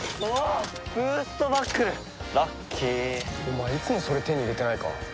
お前いつもそれ手に入れてないか？